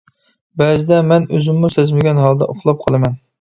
بەزىدە مەن ئۆزۈممۇ سەزمىگەن ھالدا ئۇخلاپ قالىمەن.